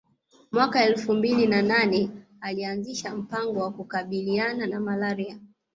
Mwaka elfu mbili na nane alianzisha mpango wa kukabiliana na Malaria